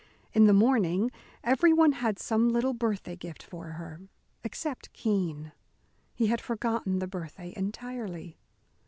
In the morning everyone had some little birthday gift for her, except Keene. He had forgotten the birthday entirely.